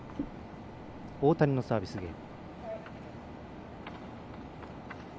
大谷のサービスゲーム。